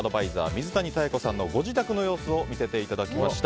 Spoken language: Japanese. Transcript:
水谷妙子さんのご自宅の様子を見ていただきました。